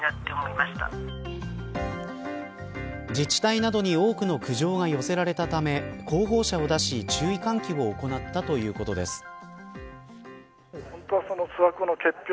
自治体などに多くの苦情が寄せられたため広報車を出し、注意喚起を行ったということです。